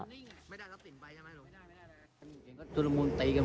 ไม่ได้รับสินใบนะฮะไม่ได้ไม่ได้